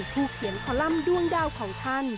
ถูกเขียนคัลลัมด้วนดาวของท่าน